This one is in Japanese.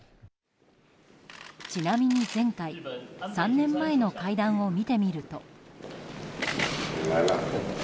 ちなみに前回３年前の会談を見てみると。